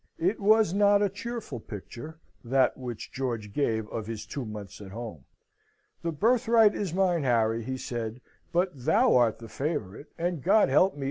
It was not a cheerful picture that which George gave of his two months at home. "The birthright is mine, Harry," he said, "but thou art the favourite, and God help me!